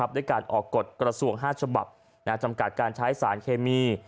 ด้วยการออกกฎกระทรวง๕ฉบับจำกัดการใช้สารเคมี